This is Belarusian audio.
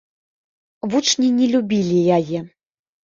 Вучні не любілі яе.